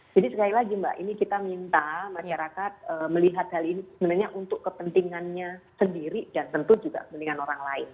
jadi sekali lagi mbak ini kita minta masyarakat melihat hal ini sebenarnya untuk kepentingannya sendiri dan tentu juga kepentingan orang lain